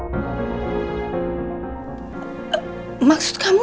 sekarang ada sama andin